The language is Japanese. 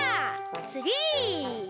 つぎ！